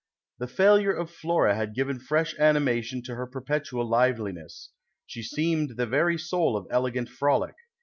" The failure of Flora had given fresh animation to her perpetual liveliness. She seemed the very soul of elegant frolic.